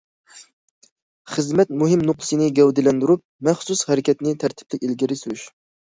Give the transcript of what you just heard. خىزمەت مۇھىم نۇقتىسىنى گەۋدىلەندۈرۈپ، مەخسۇس ھەرىكەتنى تەرتىپلىك ئىلگىرى سۈرۈش.